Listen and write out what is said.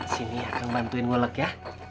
sini akang bantuin ngolek ya